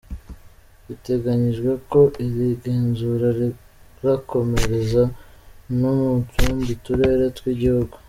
Biteganyijwe ko iri genzura rizakomereza no mu tundi turere tw’igihugu.